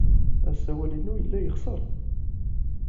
Asawal-inu yella yexṣer.